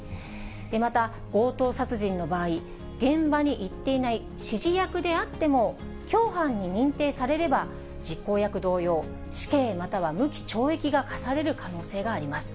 また強盗殺人の場合、現場に行っていない指示役であっても、共犯に認定されれば、実行役同様、死刑または無期懲役が科される可能性があります。